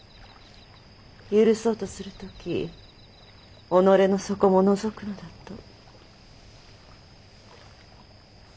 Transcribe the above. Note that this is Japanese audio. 許そうとする時己の底ものぞくのだと。